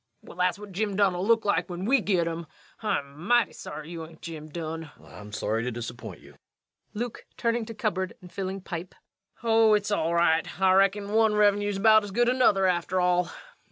Well, that's what Jim Dunn'll look like when we git 'im. I'm mighty sorry you hain't Jim Dunn. REVENUE. I'm sorry to disappoint you. LUKE. [Turning to cupboard and filling pipe.] Oh, it's all right. I reckon one Revenue's about as good as another, after all.